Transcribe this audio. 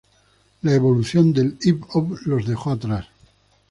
La evolución del Hip Hop los dejó atrás.